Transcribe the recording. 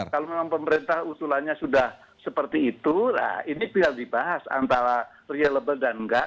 kalau memang pemerintah usulannya sudah seperti itu ini bisa dibahas antara realable dan enggak